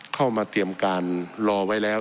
เข้ามาเตรียมการรอไว้แล้ว